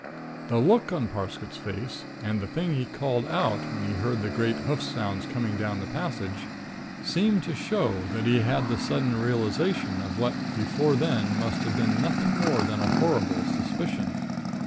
"The look on Parsket's face and the thing he called out when he heard the great hoof sounds coming down the passage seem to show that he had the sudden realization of what before then may have been nothing more than a horrible suspicion.